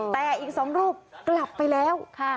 แต่อีก๒รูปกลับไปแล้ว